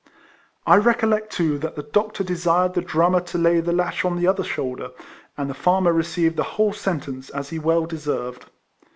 I recollect, too, that the doctor desired the drummer to lay the lash on the other shoulder, and the farmer re ceived the whole sentence, as he well de served.